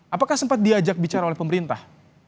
apakah sempat diajak bicara oleh pemerintah